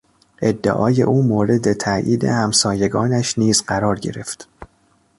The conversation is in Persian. ادعای او مورد تایید همسایگانش نیز قرار گرفت.